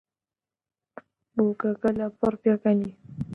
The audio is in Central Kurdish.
بووکەکە لەپڕ پێکەنی.